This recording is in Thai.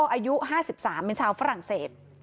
อายุห้าสิบสามเป็นชาวฝรั่งเศส